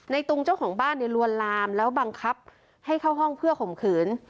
ตุงเจ้าของบ้านเนี่ยลวนลามแล้วบังคับให้เข้าห้องเพื่อข่มขืน